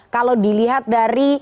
kalau dilihat dari